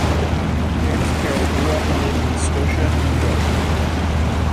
James Parry grew up and lived in Scotia, New York.